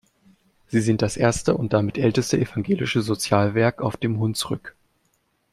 Sie sind das erste und damit älteste evangelische Sozialwerk auf dem Hunsrück.